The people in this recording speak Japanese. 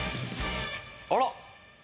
あら？